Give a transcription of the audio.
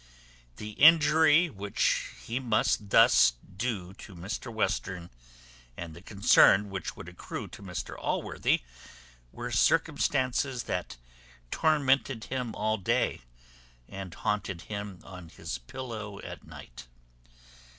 The injury which he must thus do to Mr Western, and the concern which would accrue to Mr Allworthy, were circumstances that tormented him all day, and haunted him on his pillow at night.